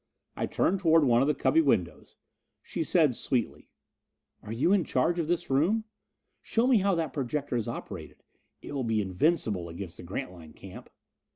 I turned toward one of the cubby windows; she said sweetly: "Are you in charge of this room? Show me how that projector is operated; it will be invincible against the Grantline camp."